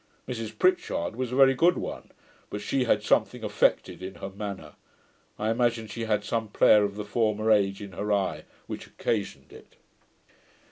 Mrs Pritchard was a very good one; but she had something affected in her manner: I imagine she had some player of the former age in her eye, which occasioned it.'